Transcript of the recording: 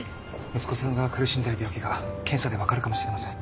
息子さんが苦しんでる病気が検査で分かるかもしれません。